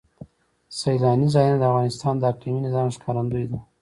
سیلانی ځایونه د افغانستان د اقلیمي نظام ښکارندوی ده.